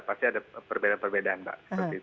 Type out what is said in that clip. pasti ada perbedaan perbedaan mbak